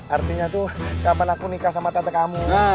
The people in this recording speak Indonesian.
artinya tuh kapan aku nikah sama tante kamu